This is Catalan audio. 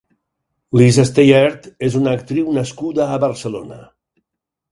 Lza Steyaert és una actriu nascuda a Barcelona.